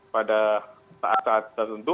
pada saat saat tertentu